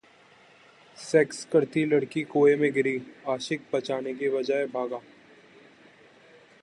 sex करती लड़की कुंए में गिरी, आशिक बचाने के बजाय भागा